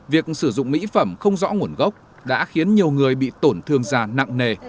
việc sử dụng mỹ phẩm không rõ nguồn gốc đã khiến nhiều người bị tổn thương da nặng nề